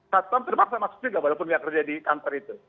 satuan terpaksa masuk juga walaupun tidak kerja di kantor itu